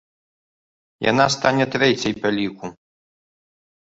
Яна стане трэцяй па ліку.